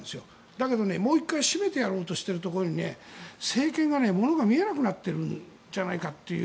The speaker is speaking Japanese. だけど、もう１回締めてやろうとしてるところに政権が物が見えなくなっているんじゃないかっていう。